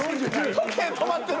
時計止まってる。